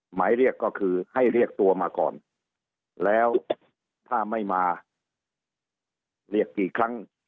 หมายเรียกก็คือให้เรียกตัวมาก่อนแล้วถ้าไม่มาเรียกกี่ครั้ง